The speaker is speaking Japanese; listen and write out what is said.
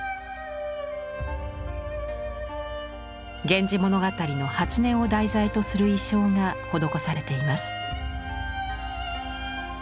「源氏物語」の「初音」を題材とする意匠が施されています。